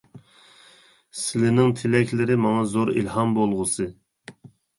سىلىنىڭ تىلەكلىرى ماڭا زور ئىلھام بولغۇسى!